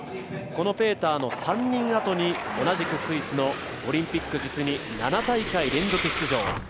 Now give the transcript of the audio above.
このペーターの３人あとに同じくスイスのオリンピック７大会連続出場